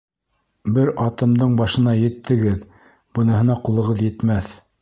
Бер атымдың башына еттегеҙ, быныһына ҡулығыҙ етмәҫ!